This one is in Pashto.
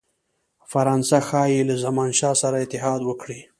فرانسه ښايي له زمانشاه سره اتحاد وکړي.